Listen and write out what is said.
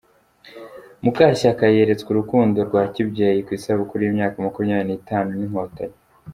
Mukashyaka yeretswe urukundo rwa kibyeyi ku isabukuru y’imyaka makumyabiri nitanu n’Inkotanyi